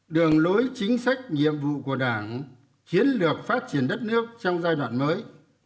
đường lối chính sách nhiệm vụ của đảng chiến lược phát triển đất nước trong giai đoạn mới